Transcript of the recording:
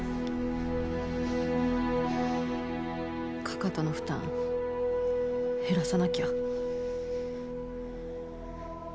かかとの負担、減らさなきゃ。